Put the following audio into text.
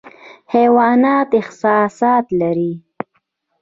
حیوانات احساسات لري